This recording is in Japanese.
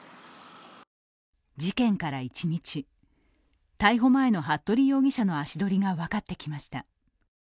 事件から１日、逮捕前の服部容疑者の足どりが分かってきました。